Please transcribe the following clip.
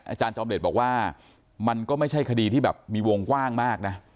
อาจารย์จอมเดชบอกว่ามันก็ไม่ใช่คดีที่แบบมีวงกว้างมากนะ